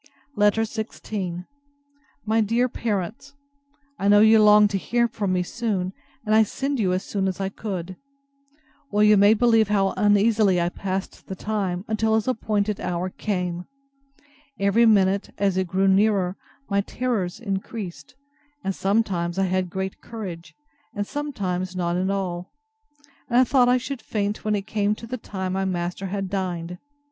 LETTER XVI MY DEAR PARENTS, I know you longed to hear from me soon; and I send you as soon as I could. Well, you may believe how uneasily I passed the time, till his appointed hour came. Every minute, as it grew nearer, my terrors increased; and sometimes I had great courage, and sometimes none at all; and I thought I should faint when it came to the time my master had dined.